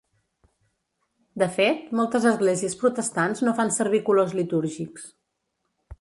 De fet, moltes esglésies protestants no fan servir colors litúrgics.